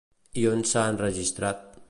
I on s'ha enregistrat?